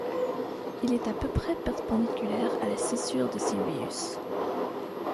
Il est à peu près perpendiculaire à la scissure de Sylvius.